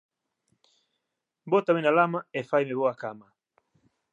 Bótame na lama e faime boa cama.